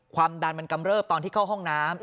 ความดันมันกำเริบตอนที่เข้าห้องน้ำ